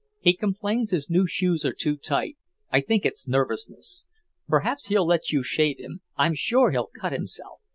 He complains his new shoes are too tight. I think it's nervousness. Perhaps he'll let you shave him; I'm sure he'll cut himself.